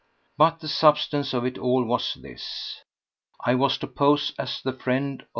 But the substance of it all was this: I was to pose as the friend of M.